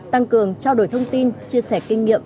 tăng cường trao đổi thông tin chia sẻ kinh nghiệm